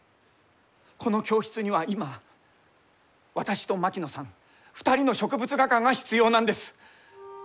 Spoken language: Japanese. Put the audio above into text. この教室には今私と槙野さん２人の植物画家が必要なんです。